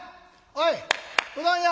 おいうどん屋！」。